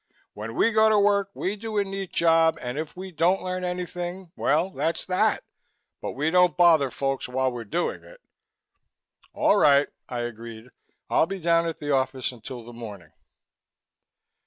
When we go to work, we do a neat job and if we don't learn anything, well, that's that but we don't bother folks while were doing it." "All right," I agreed. "I'll be down at the office until the morning."